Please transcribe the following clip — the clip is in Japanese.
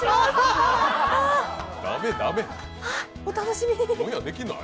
お楽しみに！